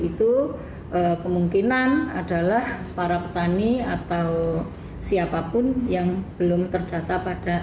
itu kemungkinan adalah para petani atau siapapun yang belum terdata pada